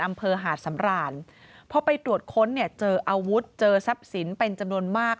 อำเภอหาดสำรานพอไปตรวจค้นเนี่ยเจออาวุธเจอทรัพย์สินเป็นจำนวนมาก